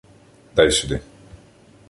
— Дай сюди.